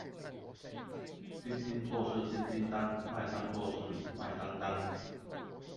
丁丁做事叮叮噹，麥當做事麥當當